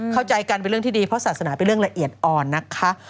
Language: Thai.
เข้าใจกันเป็นเรื่องที่ดีเพราะศาสนาเป็นเรื่องละเอียดอ่อนนะคะ